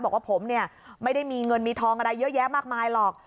บอกว่าผมเนี่ยไม่ได้มีเงินมีทองอะไรเยอะแยะมากมายหรอก